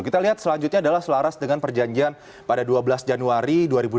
kita lihat selanjutnya adalah selaras dengan perjanjian pada dua belas januari dua ribu dua puluh